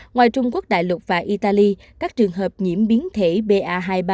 ngoài trung quốc đại lục và italy các trường hợp nhiễm biến thể ba hai mươi ba